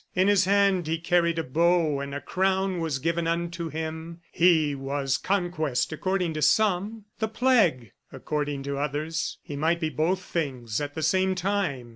In his hand he carried a bow, and a crown was given unto him. He was Conquest, according to some, the Plague according to others. He might be both things at the same time.